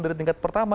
dari tingkat pertama